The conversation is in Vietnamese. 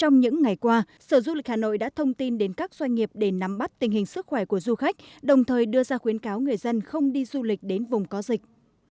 trong những ngày qua sở du lịch hà nội đã thông tin đến các doanh nghiệp để nắm bắt tình hình sức khỏe của du khách đồng thời đưa ra khuyến cáo người dân không đi du lịch đến vùng có dịch